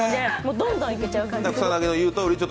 どんどんいけちゃう感じです。